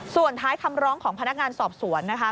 ส่วนท้ายคำร้องของพนักงานสอบสวนนะคะ